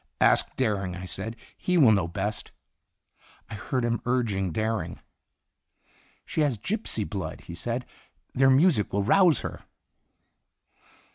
"Ask Dering," I said; "he will know best." I heard him urging Dering. Itinerant "She has gypsy blood," he said; "their music will rouse her."